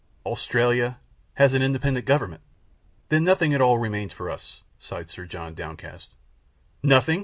"Australia " "Has an independent government." "Then nothing at all remains for us!" sighed Sir John, downcast. "Nothing?"